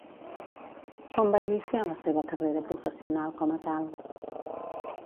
Quan va iniciar la seva carrera professional com a tal?